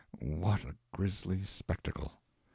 What a grisly spectacle!